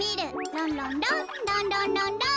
ランランランランランランラン！